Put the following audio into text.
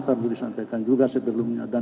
kami disampaikan juga sebelumnya dan